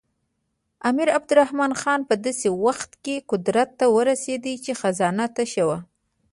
امیر عبدالرحمن خان په داسې وخت کې قدرت ته ورسېد چې خزانه تشه وه.